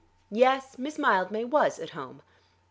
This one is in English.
Yes, Miss Mildmay was at home.